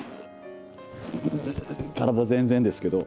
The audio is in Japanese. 体全然ですけど。